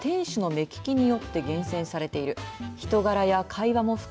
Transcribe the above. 小さな書店は店主の目利きによって厳選されている。